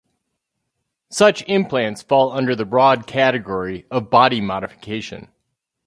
Such implants fall under the broad category of body modification.